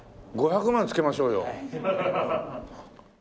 ５００万つけましょうよ。